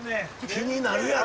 気になるやろ。